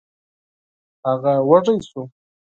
هغه وږی شو.